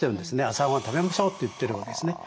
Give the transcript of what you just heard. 朝ごはん食べましょうって言ってるわけですね。